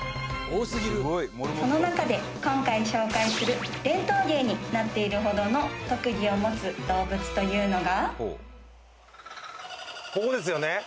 その中で今回紹介する伝統芸になっているほどの特技を持つ動物というのがここですよね